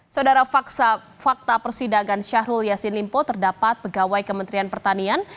saudara fakta persidangan syahrul yassin limpo terdapat pegawai kementerian pertanian